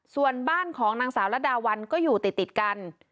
ส่วนบ้านของนางสาวระดาวันก็อยู่ติดกัน